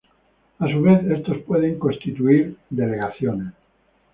A su vez, estos pueden constituir Delegaciones.